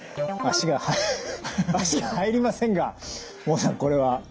足が入りませんが孟さんこれは。